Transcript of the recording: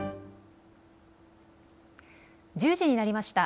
１０時になりました。